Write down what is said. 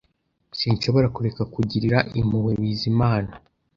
Sinshobora kureka kugirira impuhwe Bizimana